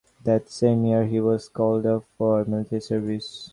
That same year he was called up for military service.